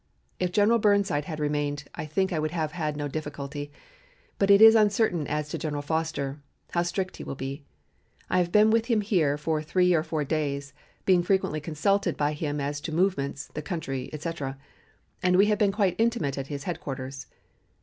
If General Burnside had remained, I think I would have had no difficulty, but it is uncertain as to General Foster, how strict he will be. I have been with him here for three or four days, being frequently consulted by him as to movements, the country, etc., and have been quite intimate at his headquarters.